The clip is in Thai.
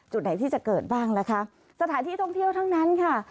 จุดไหนที่จะเกิดบ้างล่ะคะสถานที่ท่องเที่ยวทั้งนั้นค่ะ